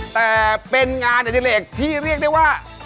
แต่เป็นงานอดิเลกที่เรียกได้ว่า